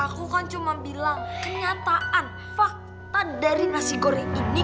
aku kan cuma bilang kenyataan fakta dari nasi goreng ini